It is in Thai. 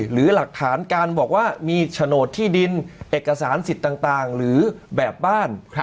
หรือหลักฐานการบอกว่ามีโฉนดที่ดินเอกสารสิทธิ์ต่างหรือแบบบ้าน